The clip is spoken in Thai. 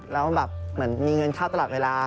แล้วแบบเหมือนมีเงินเข้าตลอดเวลา